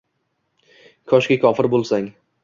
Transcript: koshki kofir bo’lsang